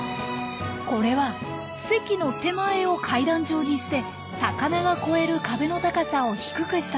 これは堰の手前を階段状にして魚が越える壁の高さを低くしたんです。